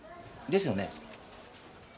でですよね？